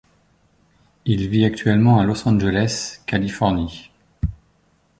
Il vit actuellement à Los Angeles, Californie.